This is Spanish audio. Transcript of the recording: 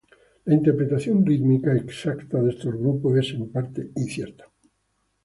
La interpretación rítmica exacta de estos grupos es en parte incierta.